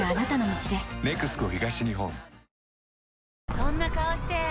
そんな顔して！